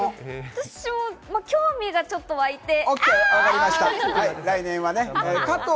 私は興味がちょっと湧いて。